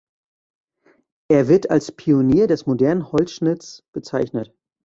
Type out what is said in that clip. Er wird als Pionier des modernen Holzschnitts bezeichnet.